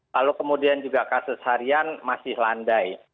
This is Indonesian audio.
lalu kemudian juga kasus harian masih landai